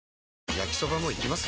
焼きソバもいきます？